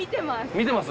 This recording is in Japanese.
見てます？